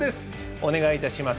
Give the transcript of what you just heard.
お願いいたします。